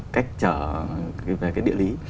cách trở về cái địa lý